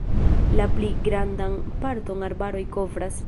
La pli grandan parton arbaroj kovras.